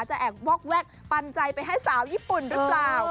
แอบวอกแวกปันใจไปให้สาวญี่ปุ่นหรือเปล่า